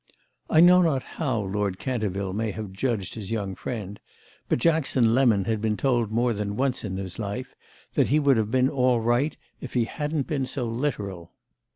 I know not how Lord Canterville may have judged his young friend, but Jackson Lemon had been told more than once in his life that he would have been all right if he hadn't been so literal.